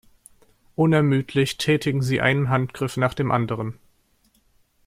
Unermüdlich tätigen sie einen Handgriff nach dem anderen.